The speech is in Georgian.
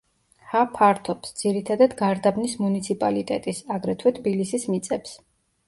ჰა ფართობს, ძირითადად გარდაბნის მუნიციპალიტეტის, აგრეთვე თბილისის მიწებს.